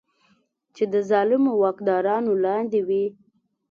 چې د ظالمو واکدارانو لاندې وي.